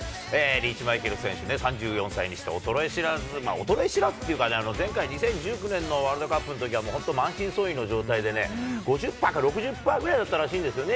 リーチマイケル選手ね、３４歳にして、衰え知らず、衰え知らずっていうかね、前回・２０１９年のワールドカップのときは、本当に満身創痍の状態でね、５０パーか、６０パーぐらいなんですよね。